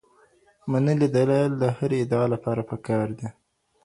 منلي دلایل د هرې ادعا لپاره پکار دي.